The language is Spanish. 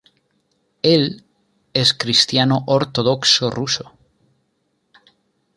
Él es cristiano ortodoxo ruso.